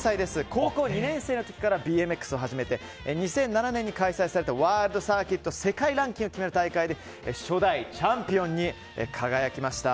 高校２年生の時からＢＭＸを初めて２００７年に開催されたワールドサーキット世界ランキングを決める大会で初代チャンピオンに輝きました。